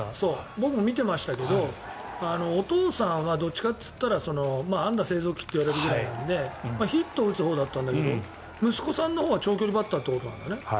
僕も見ていましたけどお父さんはどちらかといったら安打製造機といわれるぐらいなのでヒットを打つほうだったんだけど息子さんのほうは長距離バッターということなんだね？